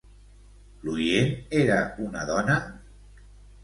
L'oient era una dona?